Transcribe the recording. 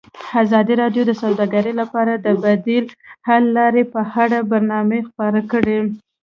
ازادي راډیو د سوداګري لپاره د بدیل حل لارې په اړه برنامه خپاره کړې.